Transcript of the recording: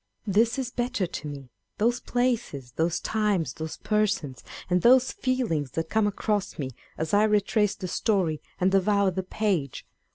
This is better to meâ€" those places, those times, those persons, and those feelings that come across me as I retrace the story and devour the page, 312 On Beading Old 13ooJ;s.